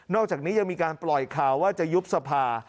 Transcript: อกจากนี้ยังมีการปล่อยข่าวว่าจะยุบสภา